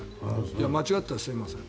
間違ったらすみません。